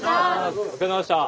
お疲れさまでした。